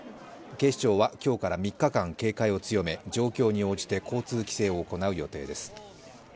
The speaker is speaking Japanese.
警視庁は今日から３日間、警戒を強め、状況に応じて交通規制を行う予定です。